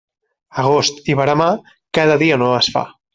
Agost i veremà, cada dia no es fa.